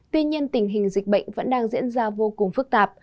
tuy nhiên tình hình dịch bệnh vẫn đang diễn ra vô cùng phức tạp